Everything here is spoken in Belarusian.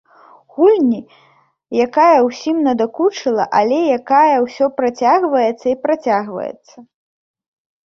Гульні, якая ўсім надакучыла, але якая ўсё працягваецца і працягваецца.